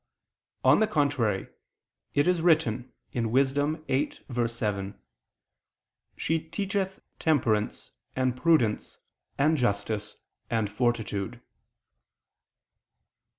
On the contrary, It is written (Wis. 8:7): "She teacheth temperance and prudence and justice and fortitude."